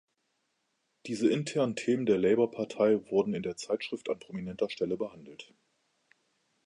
Diese internen Themen der Labour-Partei wurden in der Zeitschrift an prominenter Stelle behandelt.